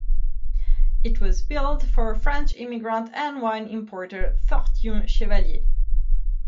It was built for French immigrant and wine importer Fortune Chevalier.